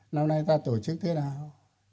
năm nay ta tổ chức thế nào